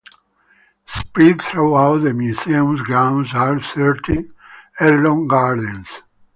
Spread throughout the museum's grounds are thirteen heirloom gardens.